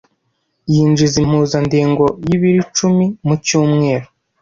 Yinjiza impuzandengo y'ibiro icumi mu cyumweru.